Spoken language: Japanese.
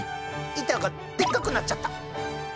板がでっかくなっちゃった！